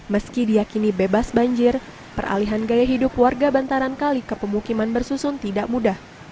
meski diakini bebas banjir peralihan gaya hidup warga bantaran kali ke pemukiman bersusun tidak mudah